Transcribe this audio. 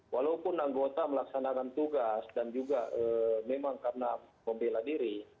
walaupun anggota melaksanakan tugas dan juga memang karena membela diri